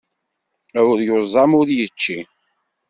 Ur yuẓam ur yečči.